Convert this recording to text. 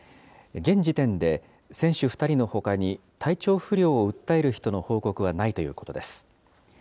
現時点で、選手２人のほかに体調不良を訴える人の報告はないということです。